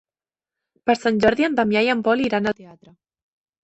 Per Sant Jordi en Damià i en Pol iran al teatre.